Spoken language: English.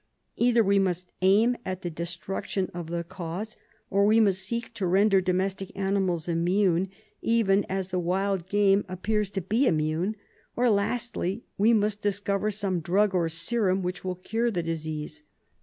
Either we must aim at the destruction of the cause, or we must seek to render domestic animals immune, even as the wild game appears to be immune, or, lastly, we must dis cover some drug or serum which will cure the disease.